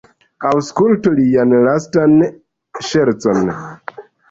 Aŭskultu lian lastan ŝercon!